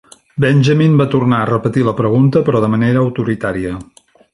Benjamin va tornar a repetir la pregunta, però de manera autoritària.